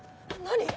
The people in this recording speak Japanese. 何？